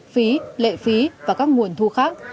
phí lệ phí và các nguồn thu khác